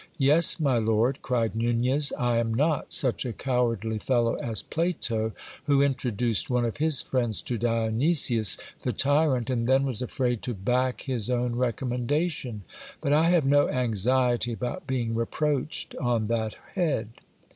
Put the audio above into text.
Yes, my lord, cried Nunez, I am not such a cowardly fellow as Plato, who introduced one of his friends to Dionysius the tyrant, and then was afraid to back his own recommendation. But I have no anxiety about being reproached on that head.